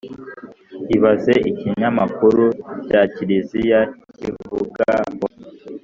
ibaze ikinyamakuru cya kiliziya kivuga ngo